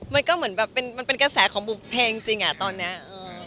มันก็เหมือนแบบเป็นกระแสของบุบเทจริงจริงอะตอนนี้